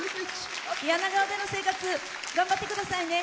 柳川での生活頑張ってくださいね。